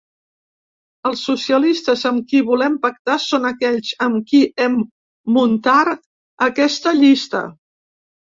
Els socialistes amb qui volem pactar són aquells amb qui hem muntar aquesta llista.